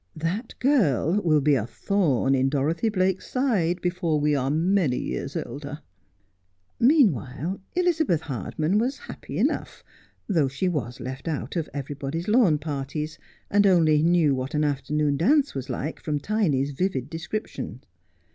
' That girl will be a thorn in Doi'othy Blake's side before we are many years older.' Meanwhile Elizabeth Hardman was happy enough, though she was left out of everybody's lawn parties, and only knew what an afternoon dance was like from Tiny's vivid description.